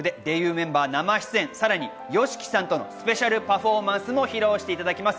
メンバー生出演、さらにＹＯＳＨＩＫＩさんとのスペシャルパフォーマンスも披露していただきます。